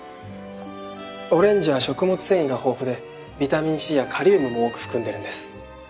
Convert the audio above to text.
オレンジは食物繊維が豊富でビタミンＣやカリウムも多く含んでるんです。